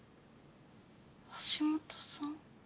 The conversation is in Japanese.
橋本さん？